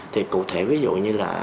thì cụ thể ví dụ như là